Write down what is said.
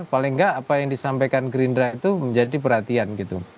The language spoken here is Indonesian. paling nggak apa yang disampaikan gerindra itu menjadi perhatian gitu